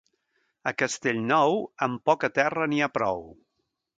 A Castellnou, amb poca terra n'hi ha prou.